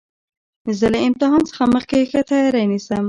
زه له امتحان څخه مخکي ښه تیاری نیسم.